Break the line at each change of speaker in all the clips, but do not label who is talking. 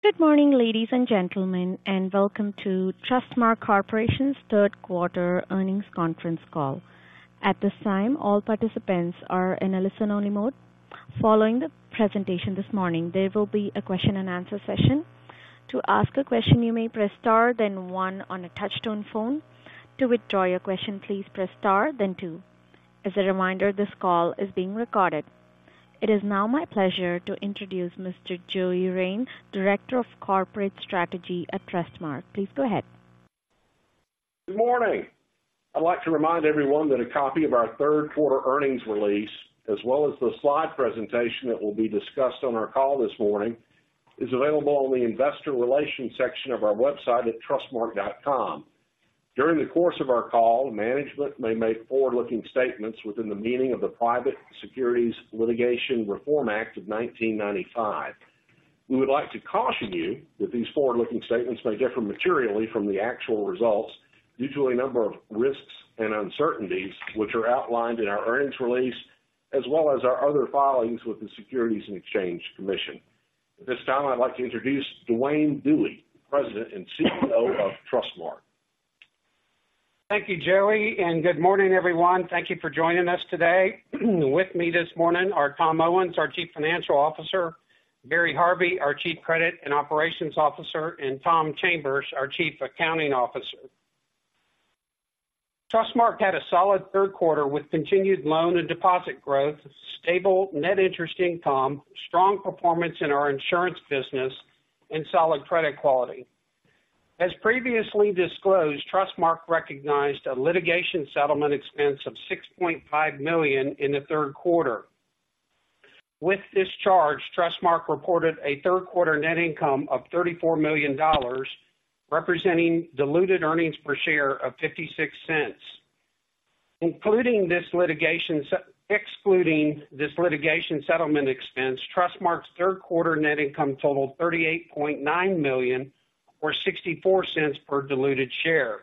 Good morning, ladies and gentlemen, and welcome to Trustmark Corporation's third quarter earnings conference call. At this time, all participants are in a listen-only mode. Following the presentation this morning, there will be a question and answer session. To ask a question, you may press Star, then one on a touchtone phone. To withdraw your question, please press Star, then two. As a reminder, this call is being recorded. It is now my pleasure to introduce Mr. Joey Rein, Director of Corporate Strategy at Trustmark. Please go ahead.
Good morning! I'd like to remind everyone that a copy of our third quarter earnings release, as well as the slide presentation that will be discussed on our call this morning, is available on the Investor Relations section of our website at trustmark.com. During the course of our call, management may make forward-looking statements within the meaning of the Private Securities Litigation Reform Act of 1995. We would like to caution you that these forward-looking statements may differ materially from the actual results due to a number of risks and uncertainties, which are outlined in our earnings release, as well as our other filings with the Securities and Exchange Commission. At this time, I'd like to introduce Duane Dewey, President and CEO of Trustmark.
Thank you, Joey, and good morning, everyone. Thank you for joining us today. With me this morning are Tom Owens, our Chief Financial Officer, Barry Harvey, our Chief Credit and Operations Officer, and Tom Chambers, our Chief Accounting Officer. Trustmark had a solid third quarter with continued loan and deposit growth, stable net interest income, strong performance in our insurance business, and solid credit quality. As previously disclosed, Trustmark recognized a litigation settlement expense of $6.5 million in the third quarter. With this charge, Trustmark reported a third quarter net income of $34 million, representing diluted earnings per share of $0.56. Excluding this litigation settlement expense, Trustmark's third quarter net income totaled $38.9 million, or $0.64 per diluted share.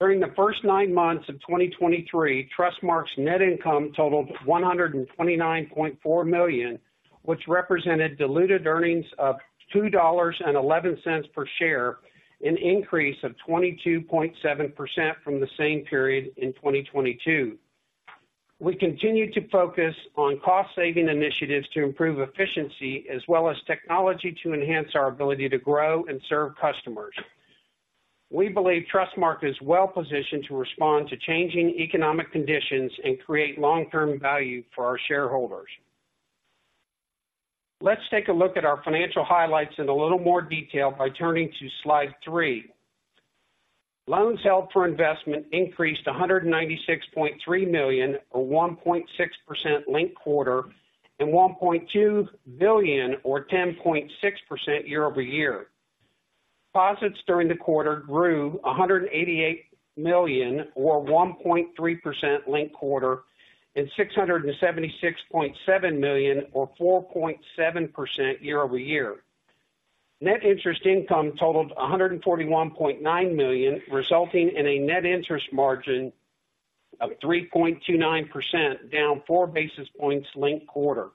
During the first nine months of 2023, Trustmark's net income totaled $129.4 million, which represented diluted earnings of $2.11 per share, an increase of 22.7% from the same period in 2022. We continue to focus on cost-saving initiatives to improve efficiency, as well as technology, to enhance our ability to grow and serve customers. We believe Trustmark is well positioned to respond to changing economic conditions and create long-term value for our shareholders. Let's take a look at our financial highlights in a little more detail by turning to slide 3. Loans held for investment increased to $196.3 million, or 1.6% linked quarter, and $1.2 billion, or 10.6% year-over-year. Deposits during the quarter grew $188 million, or 1.3% linked-quarter, and $676.7 million or 4.7% year-over-year. Net interest income totaled $141.9 million, resulting in a net interest margin of 3.29%, down 4 basis points linked-quarter.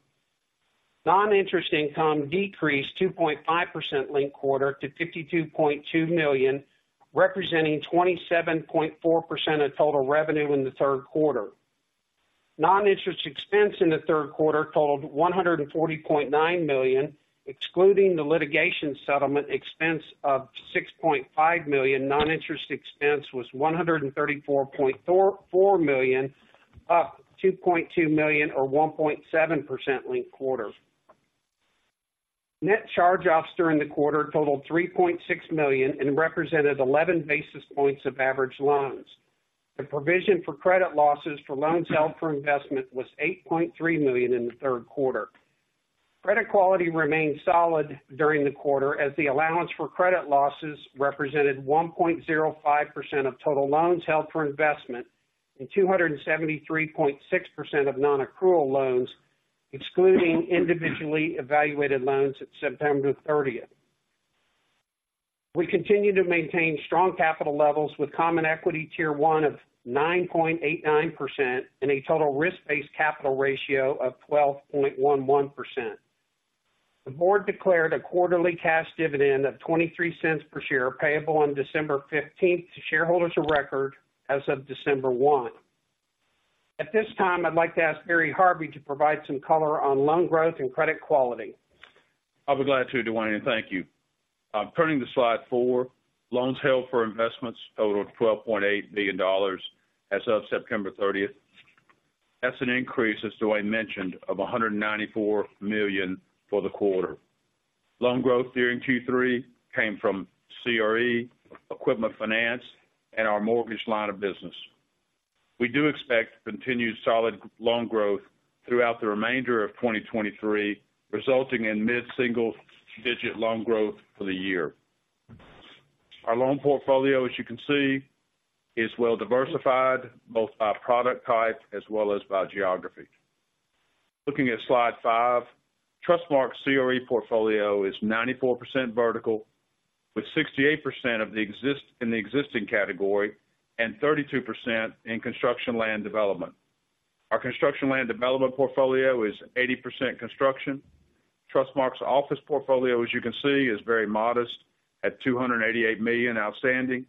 Non-interest income decreased 2.5% linked-quarter to $52.2 million, representing 27.4% of total revenue in the third quarter. Non-interest expense in the third quarter totaled $140.9 million, excluding the litigation settlement expense of $6.5 million. Non-interest expense was $134.4 million, up $2.2 million or 1.7% linked-quarter. Net charge-offs during the quarter totaled $3.6 million and represented 11 basis points of average loans. The provision for credit losses for loans held for investment was $8.3 million in the third quarter. Credit quality remained solid during the quarter as the allowance for credit losses represented 1.05% of total loans held for investment and 273.6% of non-accrual loans, excluding individually evaluated loans at September 30. We continue to maintain strong capital levels with Common Equity Tier 1 of 9.89% and a total risk-based capital ratio of 12.11%. The board declared a quarterly cash dividend of $0.23 per share, payable on December 15 to shareholders of record as of December 1. At this time, I'd like to ask Barry Harvey to provide some color on loan growth and credit quality.
I'll be glad to, Duane, and thank you. I'm turning to slide four. Loans held for investments totaled $12.8 billion as of September 30. That's an increase, as Duane mentioned, of $194 million for the quarter. Loan growth during Q3 came from CRE, equipment finance, and our mortgage line of business. We do expect continued solid loan growth throughout the remainder of 2023, resulting in mid-single-digit loan growth for the year. Our loan portfolio, as you can see, is well diversified, both by product type as well as by geography. Looking at slide five, Trustmark's CRE portfolio is 94% vertical, with 68% in the existing category and 32% in construction/land development. Our construction land development portfolio is 80% construction. Trustmark's office portfolio, as you can see, is very modest at $288 million outstanding,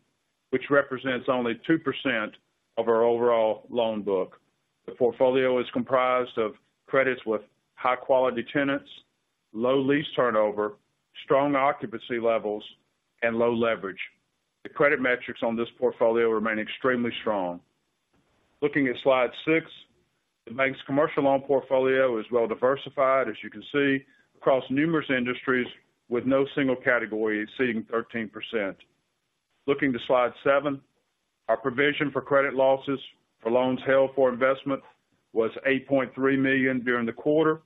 which represents only 2% of our overall loan book. The portfolio is comprised of credits with high quality tenants, low lease turnover, strong occupancy levels, and low leverage. The credit metrics on this portfolio remain extremely strong. Looking at slide 6, the bank's commercial loan portfolio is well diversified, as you can see, across numerous industries with no single category exceeding 13%. Looking to slide 7, our provision for credit losses for loans held for investment was $8.3 million during the quarter,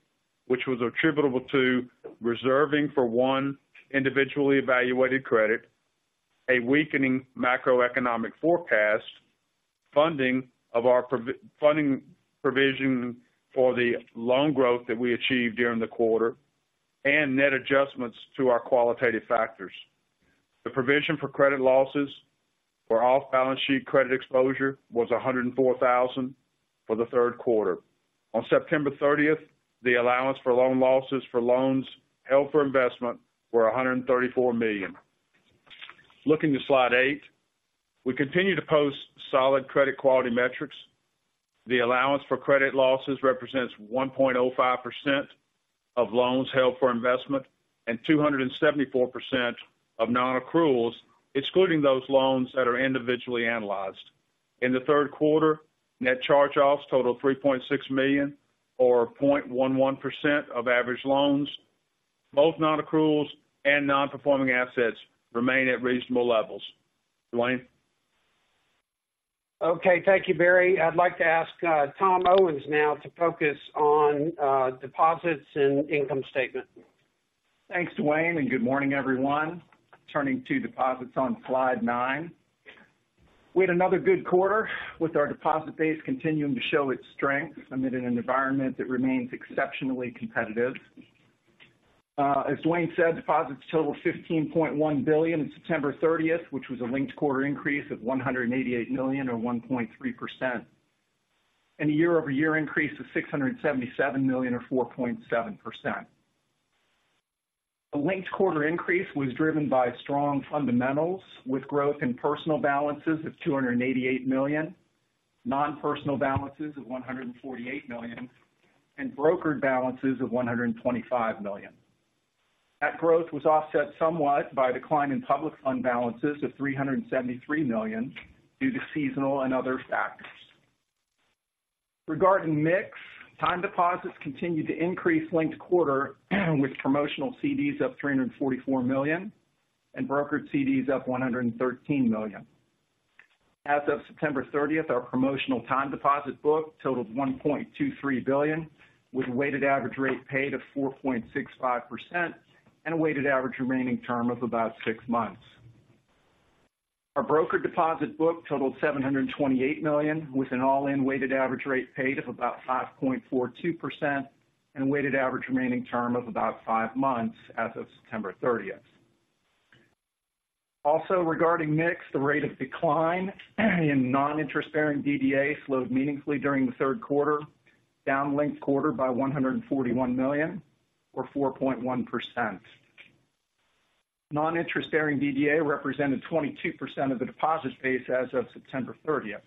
which was attributable to reserving for one individually evaluated credit, a weakening macroeconomic forecast, funding of our provision for the loan growth that we achieved during the quarter, and net adjustments to our qualitative factors. The provision for credit losses for off-balance sheet credit exposure was $104,000 for the third quarter. On September 30, the allowance for loan losses for loans held for investment were $134 million. Looking to slide 8, we continue to post solid credit quality metrics. The allowance for credit losses represents 1.05% of loans held for investment and 274% of nonaccruals, excluding those loans that are individually analyzed. In the third quarter, net charge-offs totaled $3.6 million, or 0.11% of average loans. Both nonaccruals and nonperforming assets remain at reasonable levels. Duane?
Okay, thank you, Barry. I'd like to ask Tom Owens now to focus on deposits and income statement.
Thanks, Duane, and good morning, everyone. Turning to deposits on slide 9. We had another good quarter with our deposit base continuing to show its strength amid an environment that remains exceptionally competitive. As Duane said, deposits totaled $15.1 billion on September thirtieth, which was a linked quarter increase of $188 million, or 1.3%, and a year-over-year increase of $677 million, or 4.7%. The linked quarter increase was driven by strong fundamentals, with growth in personal balances of $288 million, non-personal balances of $148 million, and brokered balances of $125 million. That growth was offset somewhat by a decline in public fund balances of $373 million due to seasonal and other factors. Regarding mix, time deposits continued to increase linked-quarter, with promotional CDs up $344 million, and brokered CDs up $113 million. As of September thirtieth, our promotional time deposit book totaled $1.23 billion, with a weighted average rate paid of 4.65% and a weighted average remaining term of about six months. Our brokered deposit book totaled $728 million, with an all-in weighted average rate paid of about 5.42% and a weighted average remaining term of about five months as of September thirtieth. Also, regarding mix, the rate of decline in non-interest bearing DDA slowed meaningfully during the third quarter, down linked-quarter by $141 million or 4.1%. Non-interest bearing DDA represented 22% of the deposit base as of September thirtieth.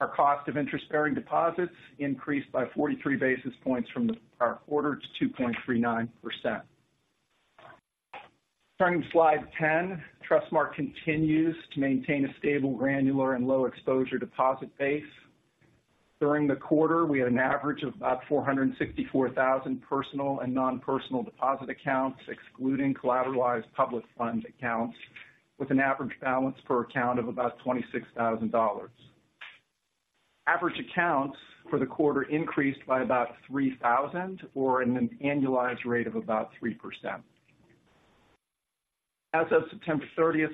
Our cost of interest-bearing deposits increased by 43 basis points from our quarter to 2.39%. Turning to slide 10, Trustmark continues to maintain a stable, granular and low exposure deposit base. During the quarter, we had an average of about 464,000 personal and non-personal deposit accounts, excluding collateralized public fund accounts, with an average balance per account of about $26,000. Average accounts for the quarter increased by about 3,000, or an annualized rate of about 3%. As of September 30,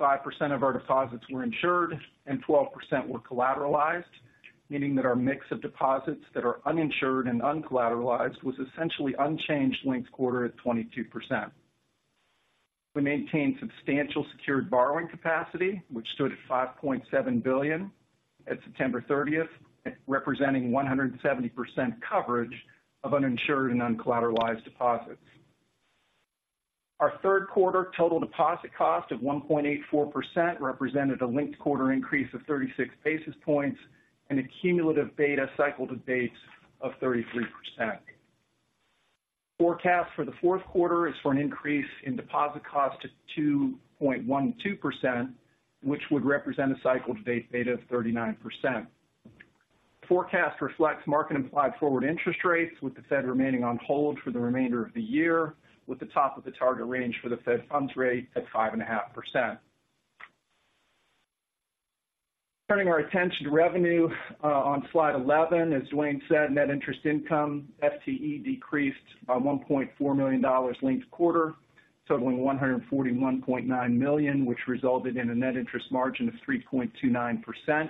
65% of our deposits were insured and 12% were collateralized, meaning that our mix of deposits that are uninsured and uncollateralized was essentially unchanged linked quarter at 22%. We maintained substantial secured borrowing capacity, which stood at $5.7 billion at September 30th, representing 170% coverage of uninsured and uncollateralized deposits. Our third quarter total deposit cost of 1.84% represented a linked quarter increase of 36 basis points and a cumulative beta cycle to date of 33%. Forecast for the fourth quarter is for an increase in deposit cost to 2.12%, which would represent a cycle to date beta of 39%. Forecast reflects market implied forward interest rates, with the Fed remaining on hold for the remainder of the year, with the top of the target range for the Fed funds rate at 5.5%. Turning our attention to revenue on slide 11. As Duane said, net interest income, FTE decreased by $1.4 million linked quarter, totaling $141.9 million, which resulted in a net interest margin of 3.29%.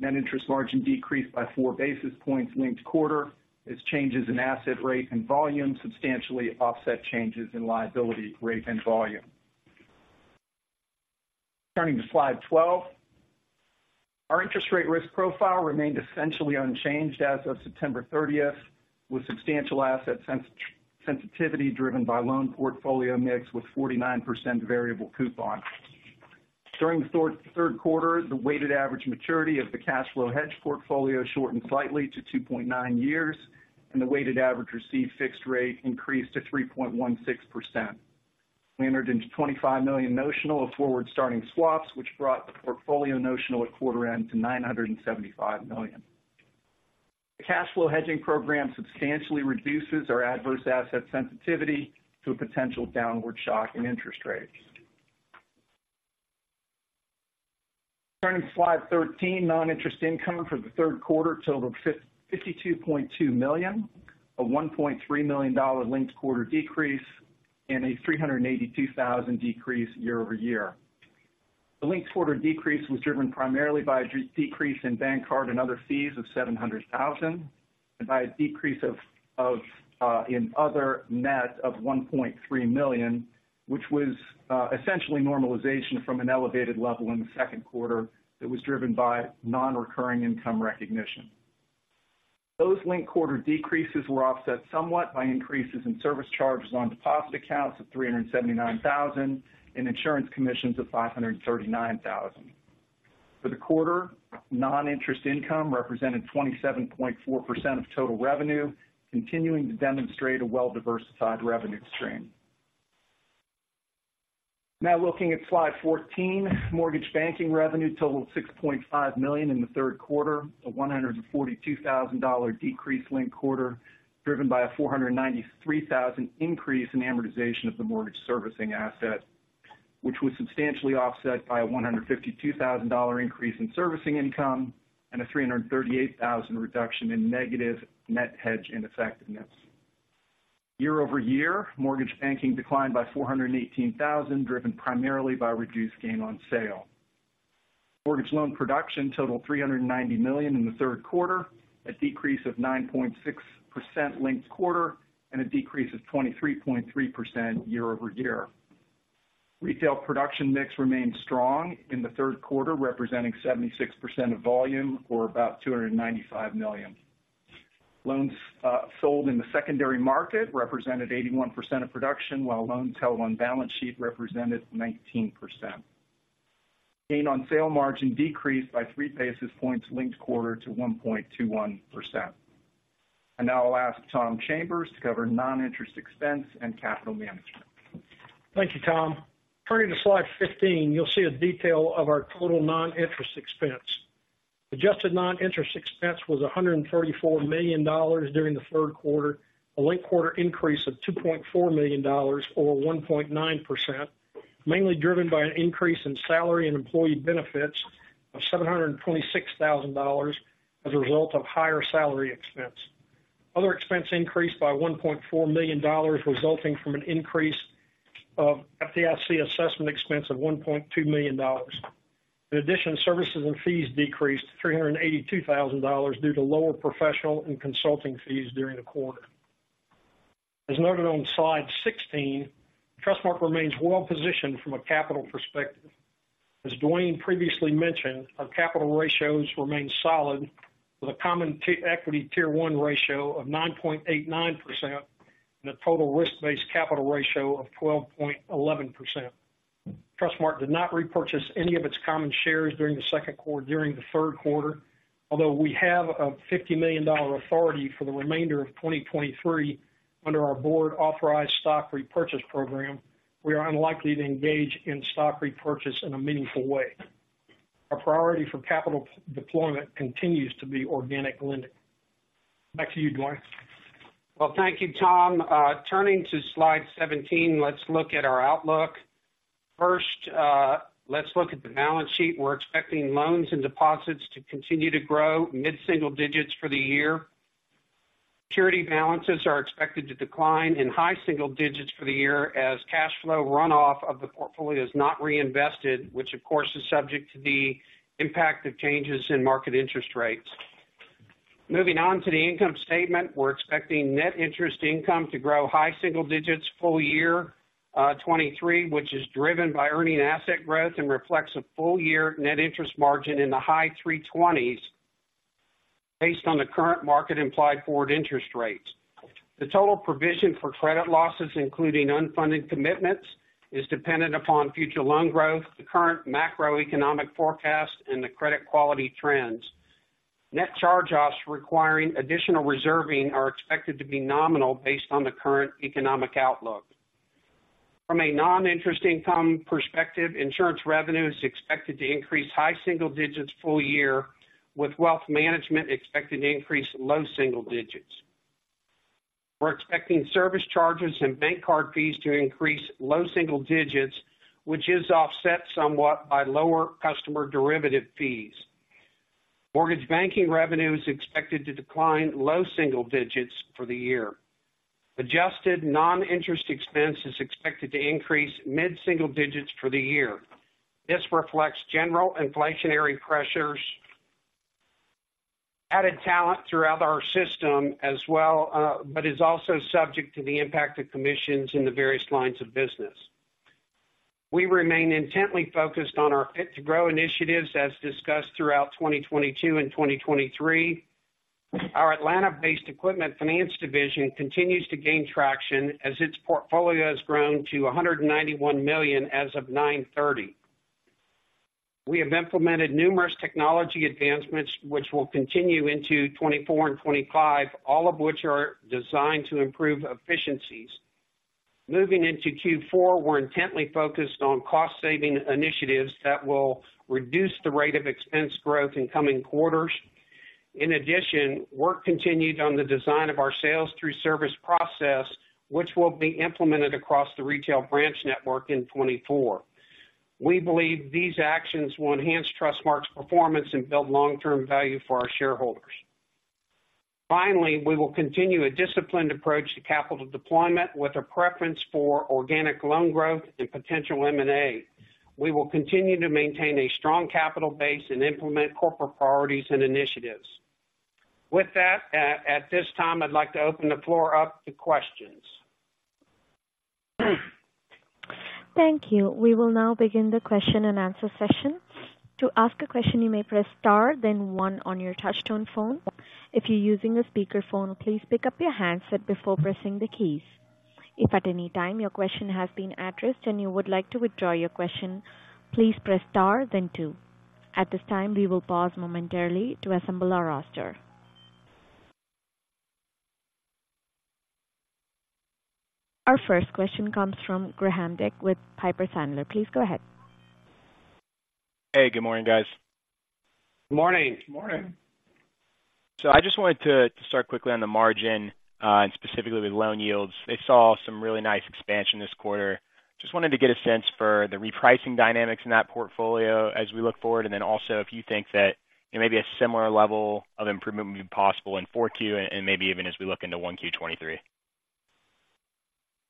Net interest margin decreased by four basis points linked quarter, as changes in asset rate and volume substantially offset changes in liability rate and volume. Turning to Slide 12. Our interest rate risk profile remained essentially unchanged as of September thirtieth, with substantial asset sensitivity driven by loan portfolio mix with 49% variable coupon. During the third quarter, the weighted average maturity of the cash flow hedge portfolio shortened slightly to 2.9 years, and the weighted average received fixed rate increased to 3.16%. We entered into $25 million notional of forward starting swaps, which brought the portfolio notional at quarter-end to $975 million. The cash flow hedging program substantially reduces our adverse asset sensitivity to a potential downward shock in interest rates. Turning to Slide 13, non-interest income for the third quarter totaled $52.2 million, a $1.3 million linked-quarter decrease, and a $382,000 decrease year-over-year. The linked-quarter decrease was driven primarily by a decrease in bank card and other fees of $700,000, and by a decrease in other net of $1.3 million, which was essentially normalization from an elevated level in the second quarter that was driven by non-recurring income recognition. Those linked quarter decreases were offset somewhat by increases in service charges on deposit accounts of $379 thousand and insurance commissions of $539 thousand. For the quarter, non-interest income represented 27.4% of total revenue, continuing to demonstrate a well-diversified revenue stream. Now looking at Slide 14, mortgage banking revenue totaled $6.5 million in the third quarter, a $142 thousand dollar decrease linked quarter, driven by a $493 thousand increase in amortization of the mortgage servicing asset, which was substantially offset by a $152 thousand dollar increase in servicing income and a $338 thousand reduction in negative net hedge ineffectiveness. Year-over-year, mortgage banking declined by $418 thousand, driven primarily by reduced gain on sale. Mortgage loan production totaled $390 million in the third quarter, a decrease of 9.6% linked quarter, and a decrease of 23.3% year-over-year. Retail production mix remained strong in the third quarter, representing 76% of volume, or about $295 million. Loans, sold in the secondary market represented 81% of production, while loans held on balance sheet represented 19%. Gain on sale margin decreased by 3 basis points linked quarter to 1.21%. And now I'll ask Tom Chambers to cover non-interest expense and capital management.
Thank you, Tom. Turning to Slide 15, you'll see a detail of our total non-interest expense. Adjusted non-interest expense was $134 million during the third quarter, a linked-quarter increase of $2.4 million, or 1.9%, mainly driven by an increase in salary and employee benefits of $726,000 as a result of higher salary expense. Other expense increased by $1.4 million, resulting from an increase of FDIC assessment expense of $1.2 million. In addition, services and fees decreased to $382,000 due to lower professional and consulting fees during the quarter. As noted on Slide 16, Trustmark remains well positioned from a capital perspective. As Duane previously mentioned, our capital ratios remain solid with a Common Equity Tier 1 ratio of 9.89% and a total risk-based capital ratio of 12.11%. Trustmark did not repurchase any of its common shares during the third quarter. Although we have a $50 million authority for the remainder of 2023 under our board authorized stock repurchase program, we are unlikely to engage in stock repurchase in a meaningful way. Our priority for capital deployment continues to be organic lending. Back to you, Duane.
Well, thank you, Tom. Turning to Slide 17, let's look at our outlook. First, let's look at the balance sheet. We're expecting loans and deposits to continue to grow mid-single digits for the year. Security balances are expected to decline in high single digits for the year as cash flow runoff of the portfolio is not reinvested, which of course, is subject to the impact of changes in market interest rates. Moving on to the income statement, we're expecting net interest income to grow high single digits full year, 2023, which is driven by earning asset growth and reflects a full year net interest margin in the high three twenties, based on the current market implied forward interest rates. The total provision for credit losses, including unfunded commitments, is dependent upon future loan growth, the current macroeconomic forecast, and the credit quality trends. Net charge-offs requiring additional reserving are expected to be nominal based on the current economic outlook. From a non-interest income perspective, insurance revenue is expected to increase high single digits full year, with wealth management expected to increase low single digits. We're expecting service charges and bank card fees to increase low single digits, which is offset somewhat by lower customer derivative fees. Mortgage banking revenue is expected to decline low single digits for the year. Adjusted non-interest expense is expected to increase mid-single digits for the year. This reflects general inflationary pressures. Added talent throughout our system as well, but is also subject to the impact of commissions in the various lines of business. We remain intently focused on our Fit to Grow initiatives as discussed throughout 2022 and 2023. Our Atlanta-based equipment finance division continues to gain traction as its portfolio has grown to $191 million as of 9/30. We have implemented numerous technology advancements, which will continue into 2024 and 2025, all of which are designed to improve efficiencies. Moving into Q4, we're intently focused on cost-saving initiatives that will reduce the rate of expense growth in coming quarters. In addition, work continued on the design of our sales through service process, which will be implemented across the retail branch network in 2024. We believe these actions will enhance Trustmark's performance and build long-term value for our shareholders. Finally, we will continue a disciplined approach to capital deployment with a preference for organic loan growth and potential M&A. We will continue to maintain a strong capital base and implement corporate priorities and initiatives. With that, at this time, I'd like to open the floor up to questions.
Thank you. We will now begin the question and answer session. To ask a question, you may press star, then one on your touch-tone phone. If you're using a speakerphone, please pick up your handset before pressing the keys. If at any time your question has been addressed and you would like to withdraw your question, please press Star, then two. At this time, we will pause momentarily to assemble our roster. Our first question comes from Graham with Piper Sandler. Please go ahead.
Hey, good morning, guys.
Good morning.
Good morning.
So I just wanted to start quickly on the margin, and specifically with loan yields. They saw some really nice expansion this quarter. Just wanted to get a sense for the repricing dynamics in that portfolio as we look forward, and then also if you think that it may be a similar level of improvement would be possible in 4Q and, maybe even as we look into 1Q 2023.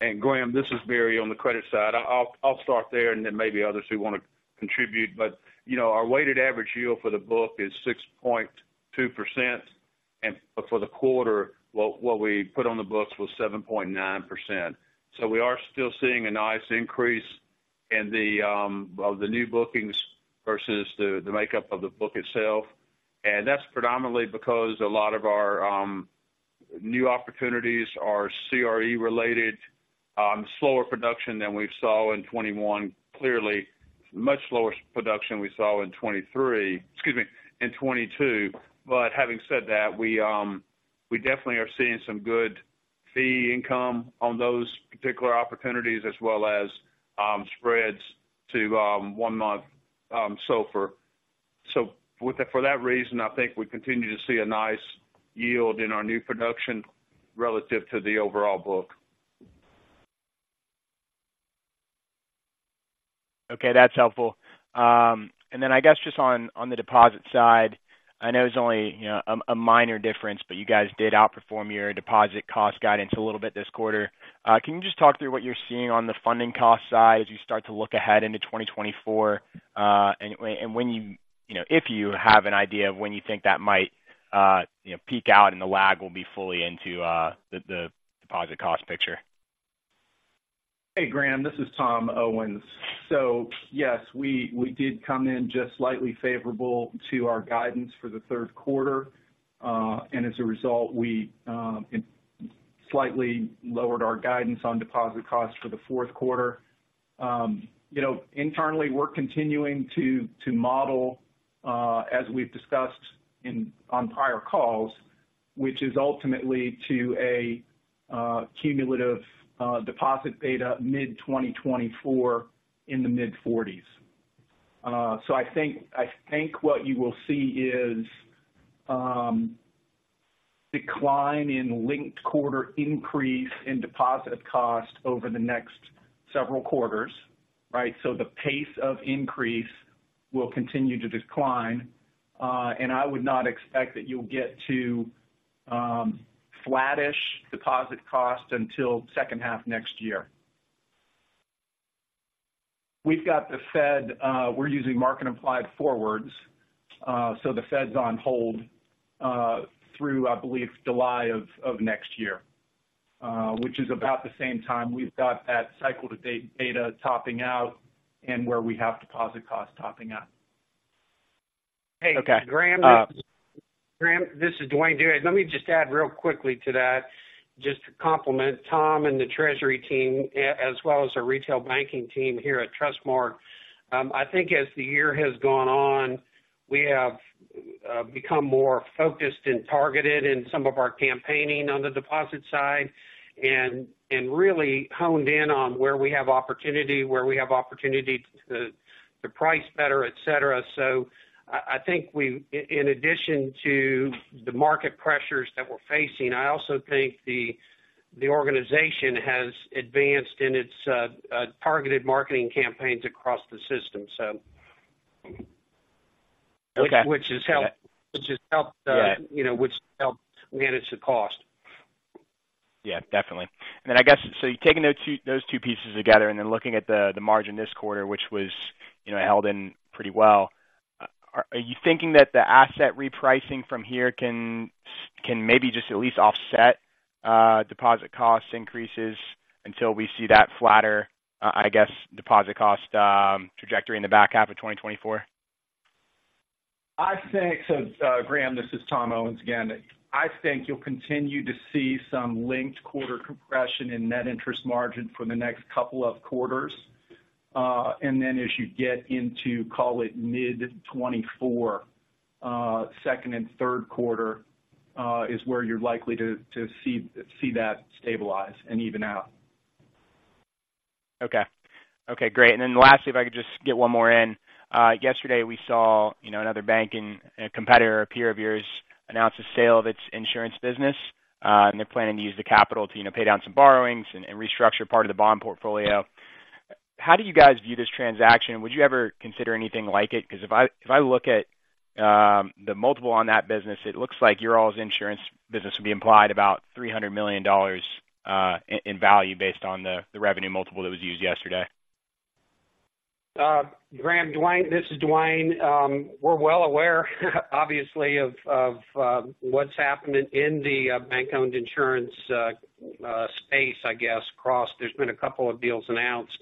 And Graham, this is Barry on the credit side. I'll start there and then maybe others who want to contribute. But, you know, our weighted average yield for the book is 6.2%, and for the quarter, what we put on the books was 7.9%. So we are still seeing a nice increase in the of the new bookings versus the makeup of the book itself. And that's predominantly because a lot of our new opportunities are CRE-related, slower production than we saw in 2021. Clearly, much slower production we saw in 2023, excuse me, in 2022. But having said that, we definitely are seeing some good fee income on those particular opportunities as well as, spreads to, one month, so far. So with that, for that reason, I think we continue to see a nice yield in our new production relative to the overall book.
Okay, that's helpful. And then I guess just on the deposit side, I know it's only, you know, a minor difference, but you guys did outperform your deposit cost guidance a little bit this quarter. Can you just talk through what you're seeing on the funding cost side as you start to look ahead into 2024? And when you know, if you have an idea of when you think that might you know, peak out and the lag will be fully into the deposit cost picture.
Hey, Graham, this is Tom Owens. So yes, we did come in just slightly favorable to our guidance for the third quarter. And as a result, we slightly lowered our guidance on deposit costs for the fourth quarter. You know, internally, we're continuing to model as we've discussed on prior calls, which is ultimately to a cumulative deposit beta mid-2024 in the mid-40s. So I think what you will see is decline in linked quarter increase in deposit cost over the next several quarters, right? So the pace of increase will continue to decline, and I would not expect that you'll get to flattish deposit cost until second half next year. We've got the Fed. We're using market implied forwards. So the Fed's on hold through, I believe, July of next year, which is about the same time we've got that cycle to date data topping out and where we have deposit costs topping out.
Okay.
Hey, Graham. Graham, this is Duane Dewey. Let me just add real quickly to that, just to complement Tom and the treasury team, as well as our retail banking team here at Trustmark. I think as the year has gone on, we have become more focused and targeted in some of our campaigning on the deposit side and really honed in on where we have opportunity, where we have opportunity to price better, et cetera. So I think we, in addition to the market pressures that we're facing, I also think the organization has advanced in its targeted marketing campaigns across the system. So.
Okay.
Which has helped.
Yeah.
You know, which helped manage the cost.
Yeah, definitely. And then I guess, so you're taking those two, those two pieces together and then looking at the, the margin this quarter, which was, you know, held in pretty well. Are you thinking that the asset repricing from here can, can maybe just at least offset, deposit cost increases until we see that flatter, I guess, deposit cost trajectory in the back half of 2024?
I think, so, Graham, this is Tom Owens again. I think you'll continue to see some linked quarter compression in net interest margin for the next couple of quarters. And then as you get into, call it mid-2024, second and third quarter, is where you're likely to see that stabilize and even out.
Okay. Okay, great. And then lastly, if I could just get one more in. Yesterday, we saw, you know, another bank and a competitor, a peer of yours, announce a sale of its insurance business, and they're planning to use the capital to, you know, pay down some borrowings and, and restructure part of the bond portfolio. How do you guys view this transaction? Would you ever consider anything like it? Because if I look at the multiple on that business, it looks like your all's insurance business would be implied about $300 million in value based on the revenue multiple that was used yesterday.
Graham, Duane, this is Duane. We're well aware, obviously, of what's happening in the bank-owned insurance space, I guess, across. There's been a couple of deals announced.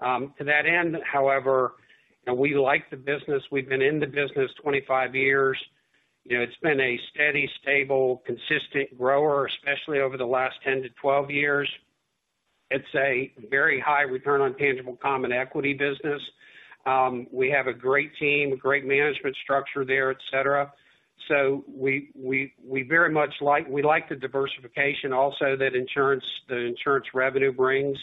To that end, however, we like the business. We've been in the business 25 years. You know, it's been a steady, stable, consistent grower, especially over the last 10-12 years. It's a very high return on tangible common equity business. We have a great team, great management structure there, et cetera. So we very much like we like the diversification also that insurance the insurance revenue brings.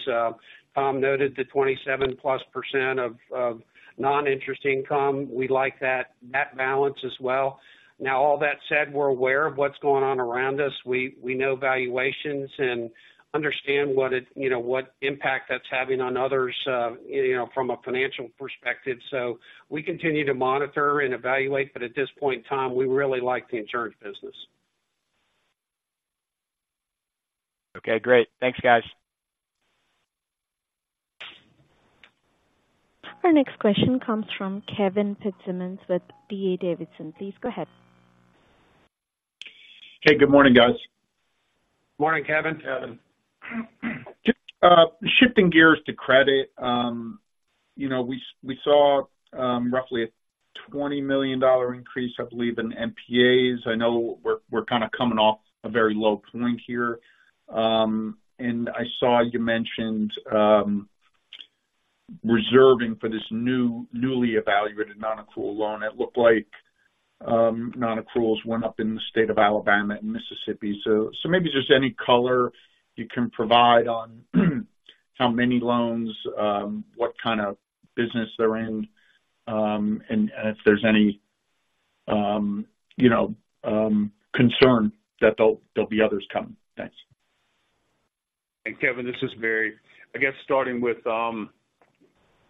Tom noted the 27+% of non-interest income. We like that balance as well. Now, all that said, we're aware of what's going on around us. We know valuations and understand what it, you know, what impact that's having on others, you know, from a financial perspective. So we continue to monitor and evaluate, but at this point in time, we really like the insurance business.
Okay, great. Thanks, guys.
Our next question comes from Kevin Fitzsimmons with D.A. Davidson. Please go ahead.
Hey, good morning, guys.
Morning, Kevin.
Kevin.
Shifting gears to credit. You know, we saw roughly a $20 million increase, I believe, in NPAs. I know we're kind of coming off a very low point here. And I saw you mentioned reserving for this newly evaluated nonaccrual loan. It looked like nonaccruals went up in the state of Alabama and Mississippi. So, maybe just any color you can provide on how many loans, what kind of business they're in, and if there's any concern that there'll be others coming. Thanks.
Hey, Kevin, this is Barry. I guess starting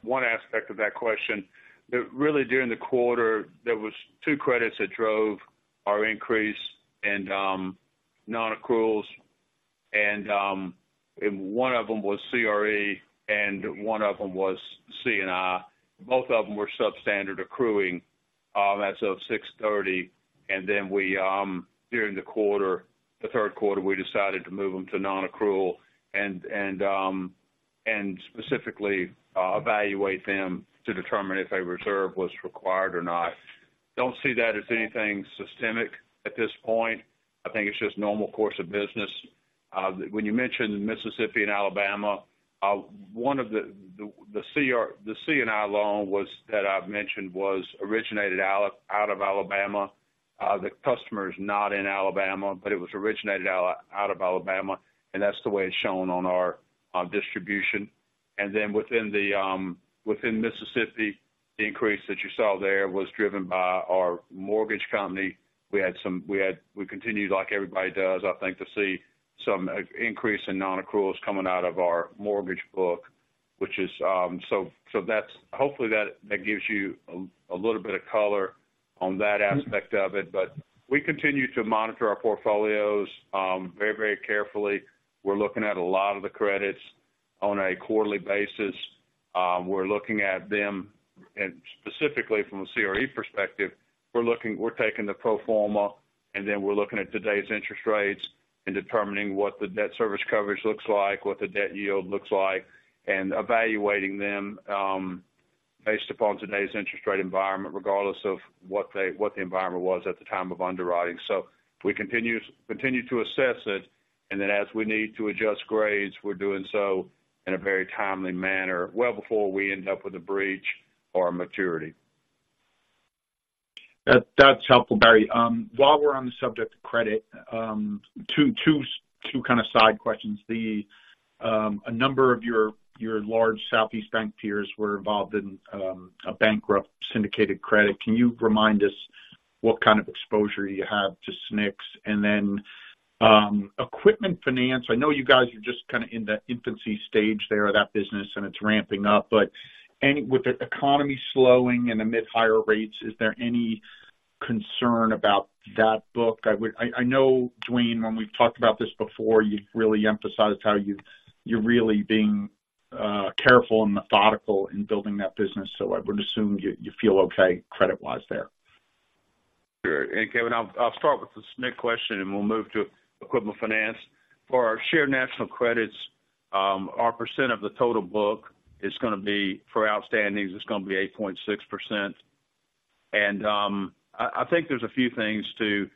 with one aspect of that question, that really during the quarter, there was 2 credits that drove our increase in nonaccruals, and one of them was CRE, and one of them was C&I. Both of them were substandard accruing as of 6/30, and then we during the quarter, the third quarter, we decided to move them to nonaccrual and specifically evaluate them to determine if a reserve was required or not. Don't see that as anything systemic at this point. I think it's just normal course of business. When you mentioned Mississippi and Alabama, one of the C&I loan was, that I've mentioned, was originated out of Alabama. The customer is not in Alabama, but it was originated out of Alabama, and that's the way it's shown on our distribution. And then within the within Mississippi, the increase that you saw there was driven by our mortgage company. We had we continued, like everybody does, I think, to see some increase in nonaccruals coming out of our mortgage book, which is. So that's hopefully that gives you a little bit of color on that aspect of it. But we continue to monitor our portfolios very, very carefully. We're looking at a lot of the credits on a quarterly basis. We're looking at them, and specifically from a CRE perspective, we're taking the pro forma, and then we're looking at today's interest rates and determining what the debt service coverage looks like, what the debt yield looks like, and evaluating them, based upon today's interest rate environment, regardless of what the environment was at the time of underwriting. So we continue to assess it, and then as we need to adjust grades, we're doing so in a very timely manner, well before we end up with a breach or a maturity.
That, that's helpful, Barry. While we're on the subject of credit, two kind of side questions. A number of your large Southeast bank peers were involved in a bankrupt syndicated credit. Can you remind us what kind of exposure you have to SNC? And then, equipment finance, I know you guys are just kind of in the infancy stage there of that business, and it's ramping up. But with the economy slowing and amid higher rates, is there any concern about that book? I know, Duane, when we've talked about this before, you've really emphasized how you're really being careful and methodical in building that business, so I would assume you feel okay credit-wise there.
Sure. And, Kevin, I'll start with the SNC question, and we'll move to equipment finance. For our Shared National Credits, our percent of the total book is gonna be, for outstandings, it's gonna be 8.6%. And, I think there's a few things to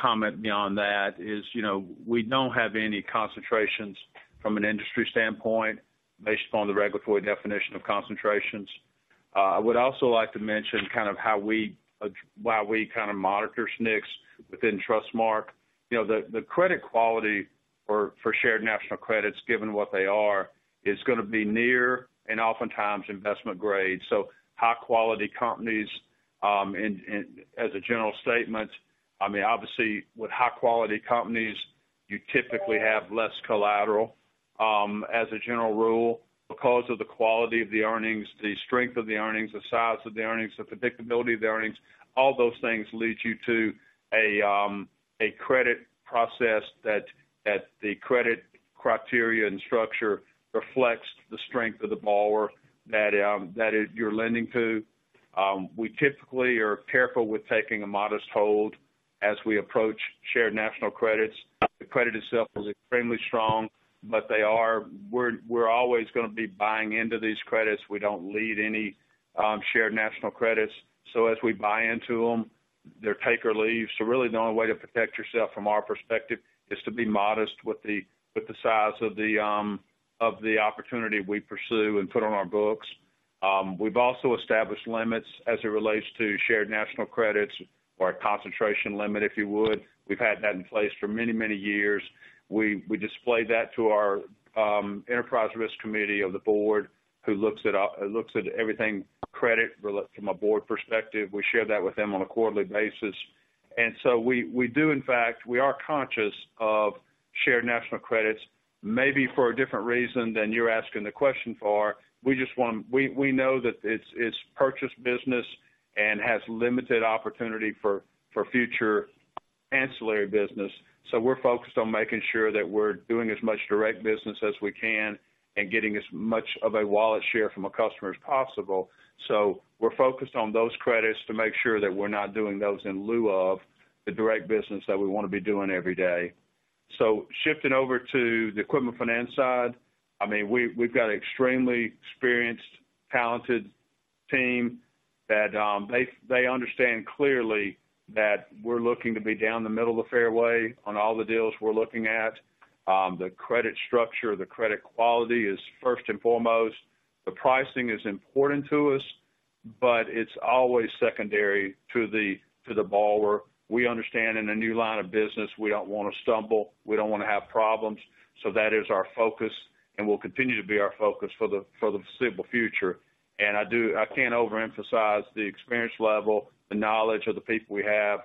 comment beyond that, is, you know, we don't have any concentrations from an industry standpoint, based upon the regulatory definition of concentrations. I would also like to mention kind of how we why we kind of monitor SNCs within Trustmark. You know, the credit quality for Shared National Credits, given what they are, is gonna be near and oftentimes investment grade. So high-quality companies, and as a general statement, I mean, obviously, with high-quality companies, you typically have less collateral, as a general rule, because of the quality of the earnings, the strength of the earnings, the size of the earnings, the predictability of the earnings. All those things lead you to a credit process that the credit criteria and structure reflects the strength of the borrower that you're lending to. We typically are careful with taking a modest hold as we approach Shared National Credits. The credit itself is extremely strong, but we're always gonna be buying into these credits. We don't lead any Shared National Credits, so as we buy into them, they're take or leave.
So really, the only way to protect yourself from our perspective is to be modest with the size of the opportunity we pursue and put on our books. We've also established limits as it relates to Shared National Credits or a concentration limit, if you would. We've had that in place for many, many years. We display that to our enterprise risk committee of the board, who looks at everything credit related from a board perspective. We share that with them on a quarterly basis. And so we do, in fact, we are conscious of Shared National Credits, maybe for a different reason than you're asking the question for. We just want. We know that it's purchase business and has limited opportunity for future ancillary business.
So we're focused on making sure that we're doing as much direct business as we can and getting as much of a wallet share from a customer as possible. So we're focused on those credits to make sure that we're not doing those in lieu of the direct business that we want to be doing every day. So shifting over to the equipment finance side, I mean, we've got an extremely experienced, talented team that they understand clearly that we're looking to be down the middle of the fairway on all the deals we're looking at. The credit structure, the credit quality is first and foremost. The pricing is important to us, but it's always secondary to the borrower. We understand in a new line of business, we don't want to stumble, we don't want to have problems, so that is our focus and will continue to be our focus for the foreseeable future. And I do, I can't overemphasize the experience level, the knowledge of the people we have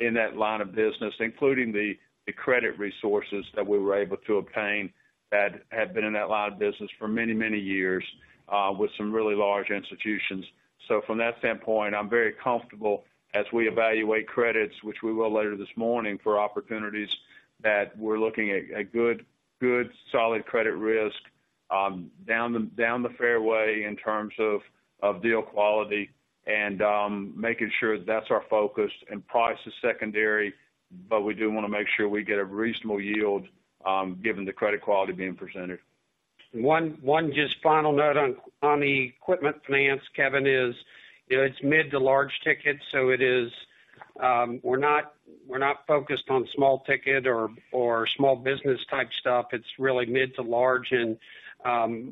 in that line of business, including the credit resources that we were able to obtain that have been in that line of business for many, many years with some really large institutions. From that standpoint, I'm very comfortable as we evaluate credits, which we will later this morning, for opportunities that we're looking at, at good, good solid credit risk, down the fairway in terms of deal quality and making sure that's our focus and price is secondary, but we do want to make sure we get a reasonable yield, given the credit quality being presented.
One just final note on the equipment finance, Kevin, is, you know, it's mid to large ticket, so it is, we're not focused on small ticket or small business type stuff. It's really mid to large, and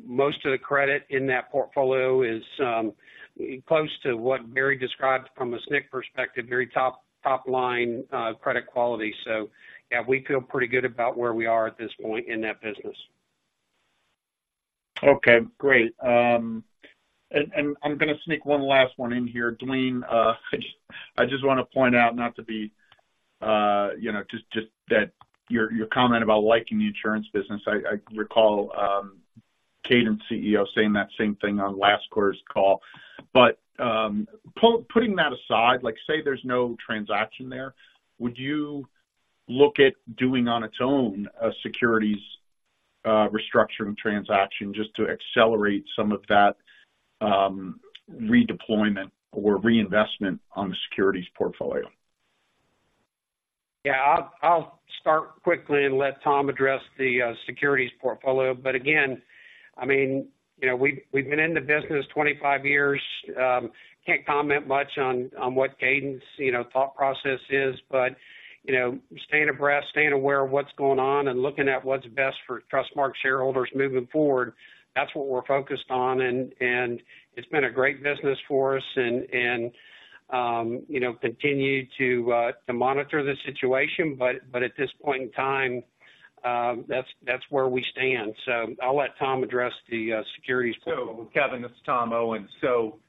most of the credit in that portfolio is close to what Bary described from a SNC perspective, very top-line credit quality. So yeah, we feel pretty good about where we are at this point in that business.
Okay, great. And, and I'm gonna sneak one last one in here. Duane, I just want to point out not to be, you know, just, just that your, your comment about liking the insurance business. I, I recall, Cadence CEO saying that same thing on last quarter's call. But, putting that aside, like, say, there's no transaction there, would you look at doing on its own a securities, restructuring transaction just to accelerate some of that, redeployment or reinvestment on the securities portfolio?
Yeah, I'll start quickly and let Tom address the securities portfolio. But again, I mean, you know, we've been in the business 25 years. Can't comment much on what Cadence thought process is, but you know, staying abreast, staying aware of what's going on and looking at what's best for Trustmark shareholders moving forward, that's what we're focused on, and it's been a great business for us and you know, continue to monitor the situation. But at this point in time, that's where we stand. So I'll let Tom address the securities portfolio.
So, Kevin, it's Tom Owens. So,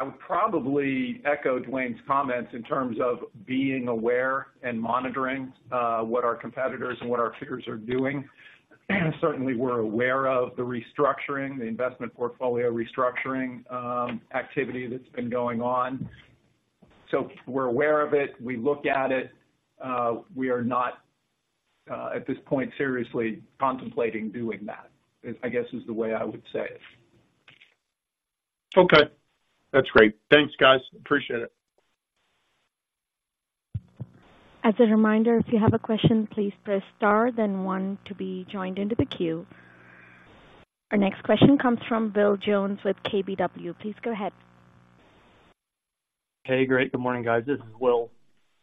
I would probably echo Duane's comments in terms of being aware and monitoring what our competitors and what our peers are doing. Certainly we're aware of the restructuring, the investment portfolio restructuring, activity that's been going on. So we're aware of it. We look at it. We are not, at this point, seriously contemplating doing that, I guess is the way I would say it.
Okay. That's great. Thanks, guys. Appreciate it.
As a reminder, if you have a question, please press star then one to be joined into the queue. Our next question comes from Will Jones with KBW. Please go ahead.
Hey, great. Good morning, guys. This is Will.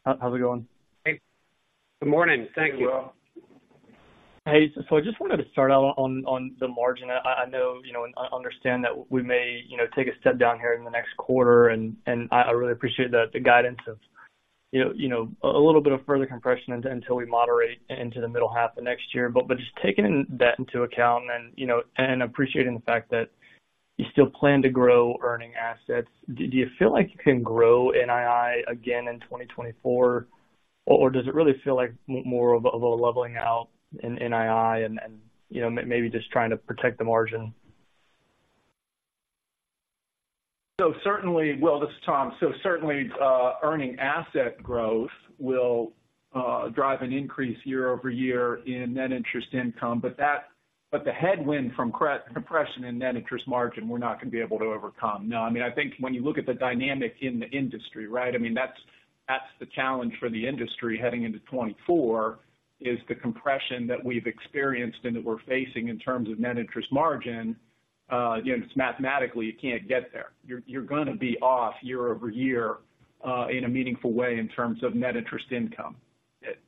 How's it going?
Hey, good morning. Thank you.
Hey, so I just wanted to start out on the margin. I know, you know, and I understand that we may, you know, take a step down here in the next quarter, and I really appreciate the guidance of, you know, a little bit of further compression until we moderate into the middle half of next year. But just taking that into account and, you know, appreciating the fact that you still plan to grow earning assets, do you feel like you can grow NII again in 2024? Or does it really feel like more of a leveling out in NII and, you know, maybe just trying to protect the margin?
So certainly, Will, this is Tom. So certainly, earning asset growth will drive an increase year-over-year in net interest income. But that—but the headwind from compression in net interest margin, we're not going to be able to overcome. No, I mean, I think when you look at the dynamic in the industry, right? I mean, that's, that's the challenge for the industry heading into 2024, is the compression that we've experienced and that we're facing in terms of net interest margin. You know, it's mathematically, you can't get there. You're, you're gonna be off year-over-year in a meaningful way in terms of net interest income.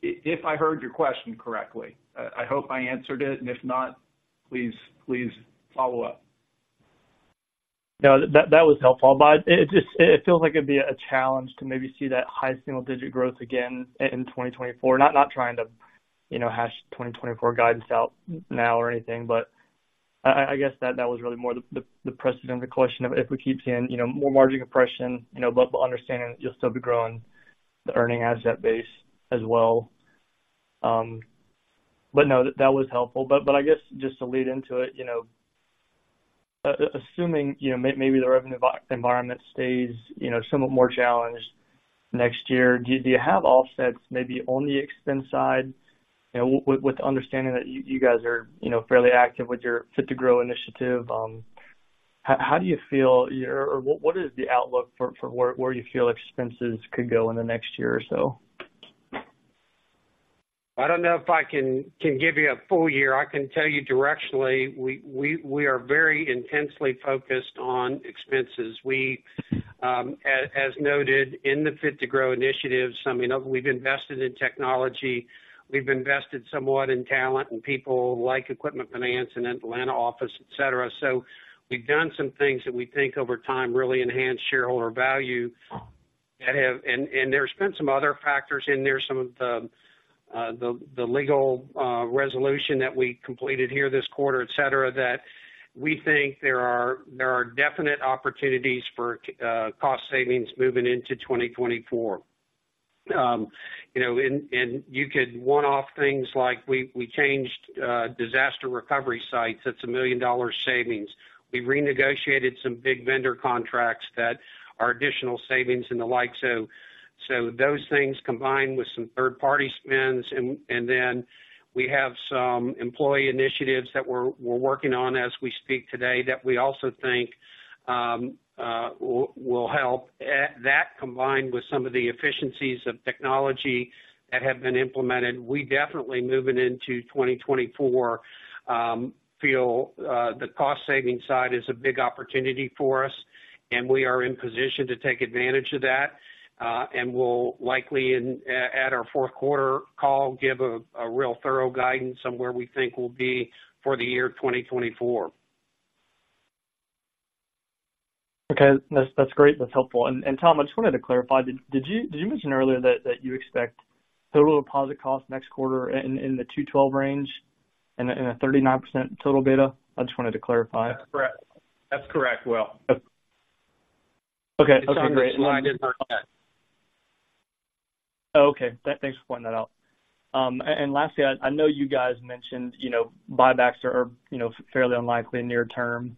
If I heard your question correctly, I hope I answered it, and if not, please, please follow up.
No, that was helpful. But it just feels like it'd be a challenge to maybe see that high single-digit growth again in 2024. Not trying to, you know, hash 2024 guidance out now or anything, but I guess that was really more the precedent of the question of if we keep seeing, you know, more margin compression, you know, but understanding that you'll still be growing the earning asset base as well. But no, that was helpful. But I guess just to lead into it, you know, assuming, you know, maybe the revenue environment stays, you know, somewhat more challenged next year, do you have offsets maybe on the expense side? You know, with the understanding that you guys are, you know, fairly active with your Fit to Grow initiative, how do you feel or what is the outlook for where you feel expenses could go in the next year or so?
I don't know if I can give you a full year. I can tell you directionally, we are very intensely focused on expenses. We, as noted in the Fit to Grow initiatives, I mean, we've invested in technology, we've invested somewhat in talent and people like equipment finance and Atlanta office, et cetera. So we've done some things that we think over time really enhance shareholder value that have and there's been some other factors in there, some of the legal resolution that we completed here this quarter, et cetera, that we think there are definite opportunities for cost savings moving into 2024. You know, you could one-off things like we changed disaster recovery sites. That's a $1 million savings. We renegotiated some big vendor contracts that are additional savings and the like. So those things combined with some third-party spends, and then we have some employee initiatives that we're working on as we speak today, that we also think will help. That combined with some of the efficiencies of technology that have been implemented, we definitely moving into 2024 feel the cost saving side is a big opportunity for us, and we are in position to take advantage of that. And we'll likely at our fourth quarter call give a real thorough guidance on where we think we'll be for the year 2024.
Okay. That's great. That's helpful. And, Tom, I just wanted to clarify: Did you mention earlier that you expect total deposit cost next quarter in the 2.12 range and a 39% total beta? I just wanted to clarify.
That's correct. That's correct, Will.
Okay. Okay, great.
I did hear that.
Oh, okay. Thanks for pointing that out. And lastly, I know you guys mentioned, you know, buybacks are, you know, fairly unlikely near term.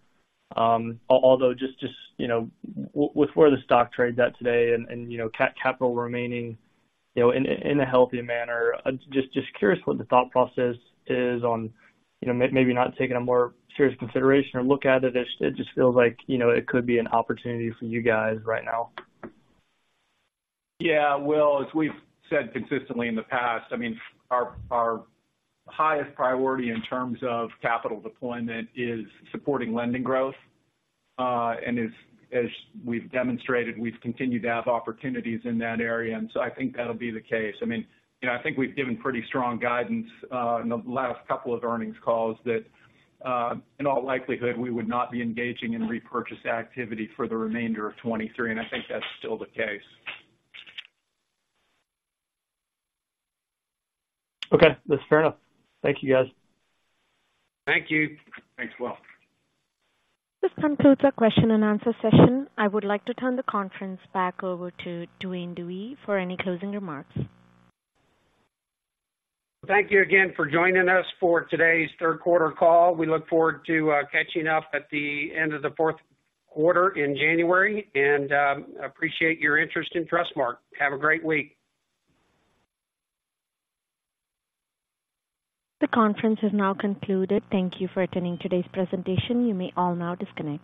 Although just, you know, with where the stock trades at today and, you know, capital remaining, you know, in a healthy manner. I'm just curious what the thought process is on, you know, maybe not taking a more serious consideration or look at it. It just feels like, you know, it could be an opportunity for you guys right now.
Yeah, Will, as we've said consistently in the past, I mean, our highest priority in terms of capital deployment is supporting lending growth. And as we've demonstrated, we've continued to have opportunities in that area, and so I think that'll be the case. I mean, you know, I think we've given pretty strong guidance in the last couple of earnings calls that in all likelihood, we would not be engaging in repurchase activity for the remainder of 2023, and I think that's still the case.
Okay. That's fair enough. Thank you, guys.
Thank you.
Thanks, Will.
This concludes our question and answer session. I would like to turn the conference back over to Duane Dewey for any closing remarks.
Thank you again for joining us for today's third quarter call. We look forward to catching up at the end of the fourth quarter in January, and appreciate your interest in Trustmark. Have a great week.
The conference is now concluded. Thank you for attending today's presentation. You may all now disconnect.